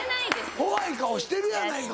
怖い顔してるやないか。